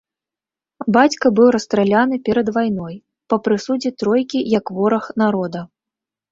Бацька быў расстраляны перад вайной па прысудзе тройкі як вораг народа.